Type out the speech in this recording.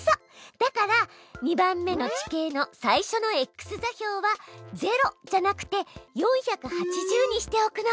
だから２番目の地形の最初のｘ座標は０じゃなくて４８０にしておくの。